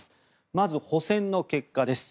まず、補選の結果です。